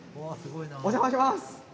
お邪魔します。